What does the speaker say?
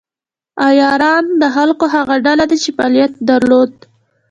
عیاران د خلکو هغه ډله ده چې فعالیت درلود.